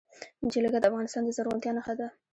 جلګه د افغانستان د زرغونتیا نښه ده.